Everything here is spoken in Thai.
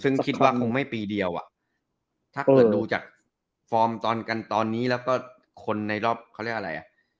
ซึ่งคิดว่าคงไม่ปีเดียวอ่ะถ้าเกิดดูจากฟอร์มตอนกันตอนนี้แล้วก็คนในรอบเขาเรียกอะไรอ่ะ